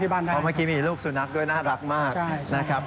เพราะเมื่อกี้มีลูกสุนัขด้วยน่ารักมากนะครับ